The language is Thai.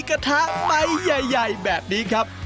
กระทะไม้ใหญ่